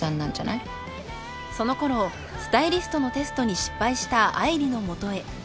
［そのころスタイリストのテストに失敗した愛梨の元へ］